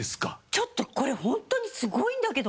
ちょっとこれホントにすごいんだけど。